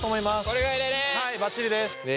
はいバッチリです。